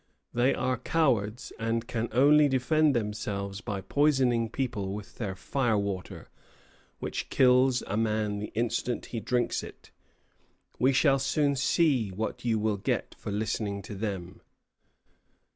They are cowards, and can only defend themselves by poisoning people with their firewater, which kills a man the instant he drinks it. We shall soon see what you will get for listening to them."